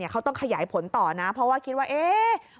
เขาต้องขยายผลต่อนะเพราะว่าคิดว่าเอ๊ะ